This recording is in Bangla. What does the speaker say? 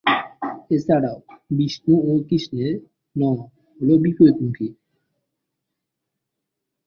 এছাড়াও, বিষ্ণু ও কৃষ্ণের 'ন' হল বিপরীতমুখী।